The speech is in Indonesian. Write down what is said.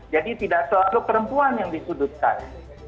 jadi tidak selalu perempuan yang disudutkan